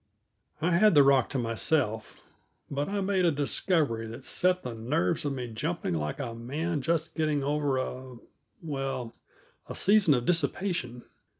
I had the rock to myself, but I made a discovery that set the nerves of me jumping like a man just getting over a well, a season of dissipation.